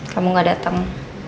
kamu gak dateng